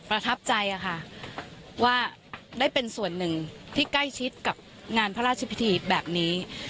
ประทับใจค่ะว่าได้เป็นส่วนหนึ่งที่ใกล้ชิดกับงานพระราชพิธีแบบนี้